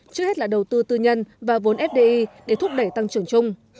trước hết là đầu tư tư nhân và vốn fdi để thúc đẩy tăng trưởng chung